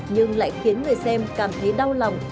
nhưng lại khiến người xem cảm thấy đau lòng